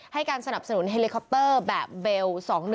ให้การสนับสนุนเฮลิคอปเตอร์แบบเบล๒๑